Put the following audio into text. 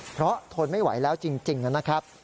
เพราะทนไม่ไหวแล้วจริงนะครับ